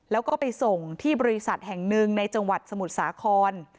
แล้วก็ไปส่งที่บริษัทแห่งหนึ่งในจังหวัดสมุทรสาคร